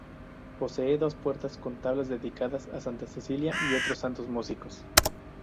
Posee dos puertas con tablas dedicadas a Santa Cecilia y otros santos músicos.